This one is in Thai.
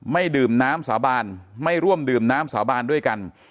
ไม่ดื่มน้ำสาบานไม่ร่วมดื่มน้ำสาบานด้วยกัน